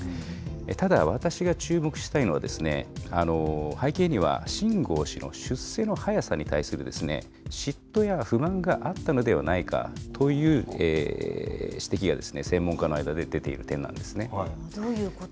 ただ、私が注目したいのは、背景には秦剛氏の出世の早さに対する嫉妬や不満があったのではないかという指摘が専門家の間で出ている点なんですね。